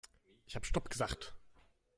Ich habe stopp gesagt.